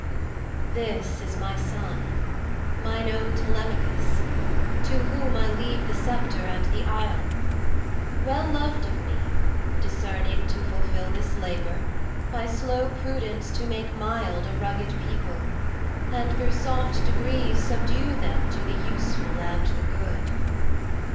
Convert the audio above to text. This is my son, mine own Telemachus, To whom I leave the sceptre and the isle—Well lov'd of me, discerning to fulfilThis labor, by slow prudence to make mildA rugged people, and thro' soft degreesSubdue them to the useful and the good.